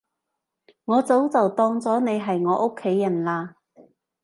我早就當咗你係我屋企人喇